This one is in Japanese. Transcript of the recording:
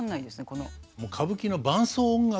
この。